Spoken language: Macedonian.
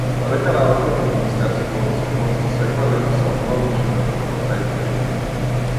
Додека работел во министерството за стопанство секое лето се одморал на шибенското крајбрежје.